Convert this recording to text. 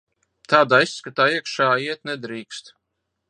Tādā izskatā iekšā iet nedrīkst.